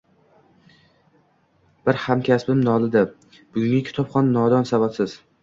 Bir hamkasbim nolidi: Bugungi kitobxon nodon, savodsiz.